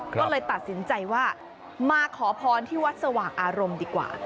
ก็เลยตัดสินใจว่ามาขอพรที่วัดสว่างอารมณ์ดีกว่า